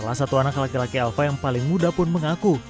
salah satu anak laki laki elva yang paling muda pun mengaku